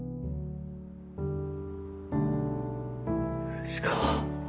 藤川？